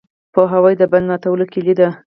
پوهاوی د بند ماتولو کلي ده.